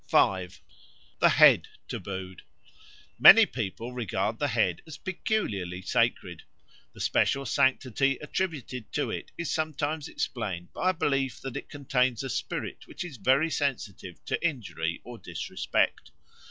5. The Head tabooed MANY peoples regard the head as peculiarly sacred; the special sanctity attributed to it is sometimes explained by a belief that it contains a spirit which is very sensitive to injury or disrespect.